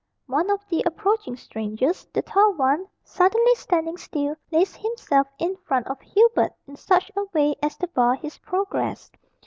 One of the approaching strangers the tall one suddenly standing still, placed himself in front of Hubert in such a way as to bar his progress.